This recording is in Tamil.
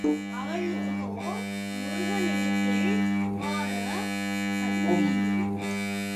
அவளுக்கோ முருகனிடத்தில் அபார பக்தி.